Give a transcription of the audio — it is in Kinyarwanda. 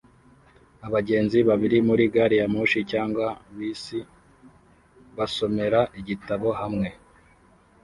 Abagenzi babiri muri gari ya moshi cyangwa bisi basomera igitabo hamwe